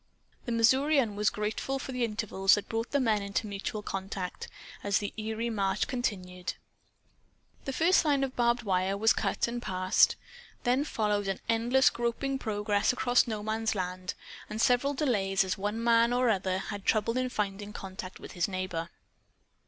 The Missourian was grateful for the intervals that brought the men into mutual contact, as the eerie march continued. The first line of barbed wire was cut and passed. Then followed an endless groping progress across No Man's Land, and several delays, as one man or another had trouble in finding contact with his neighbor.